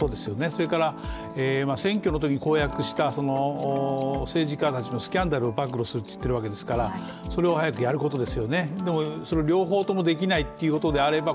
それから、選挙の時に公約とした政治家たちのスキャンダルを暴露するっていうことですからそれを早くやることですよね、その両方ともできないっていうことであれば